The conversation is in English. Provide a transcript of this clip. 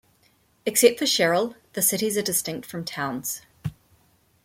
Except for Sherrill, the cities are distinct from towns.